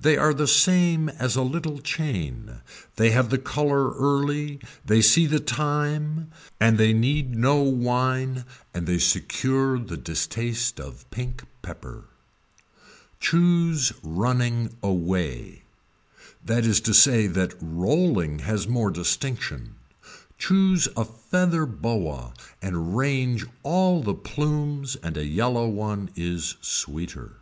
They are the same as a little chain, they have the color early, they see the time and they need no wine and they secure the distaste of pink pepper. Choose running anyway, that is to say that rolling has more distinction, choose a feather boa and range all the plumes and a yellow one is sweeter.